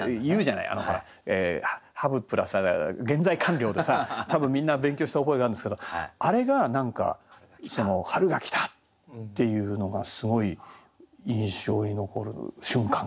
ｈａｖｅプラス現在完了でさ多分みんな勉強した覚えがあるんですけどあれが何か「春が来た」っていうのがすごい印象に残る瞬間かな。